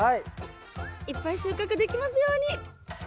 いっぱい収穫できますように！